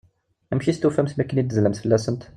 Amek i tent-tufamt mi akken i tedlamt fell-asent?